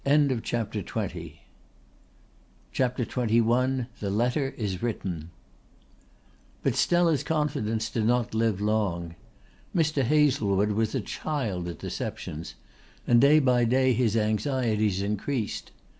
CHAPTER XXI THE LETTER IS WRITTEN But Stella's confidence did not live long. Mr. Hazlewood was a child at deceptions; and day by day his anxieties increased.